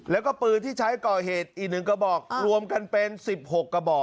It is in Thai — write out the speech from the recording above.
แล้วก็ปืนที่ใช้ก่อเหตุอีนหนึ่งกระบอกอ่ารวมกันเป็นสิบหกกระบอก